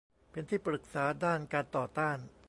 เป็นที่ปรึกษาด้านการต่อต้าน